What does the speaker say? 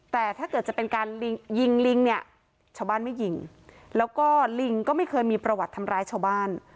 แต่ถ้าเกิดจะเป็นการยิงลิงเนี่ยชาวบ้านไม่ยิงแล้วก็ลิงก็ไม่เคยมีประวัติทำร้ายชาวบ้าน